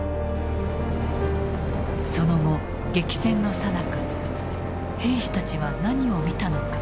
その後激戦のさなか兵士たちは何を見たのか。